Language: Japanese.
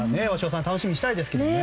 楽しみにしたいですね。